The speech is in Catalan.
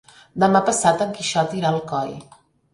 Demà passat en Quixot irà a Alcoi.